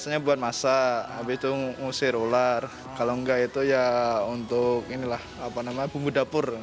biasanya buat masak habis itu ngusir ular kalau enggak itu ya untuk inilah apa namanya bumbu dapur